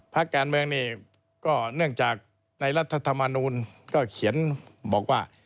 พักการเมืองนี่ก็เนื่องจากในรัฐธรรมนูลก็เขียนบอกว่า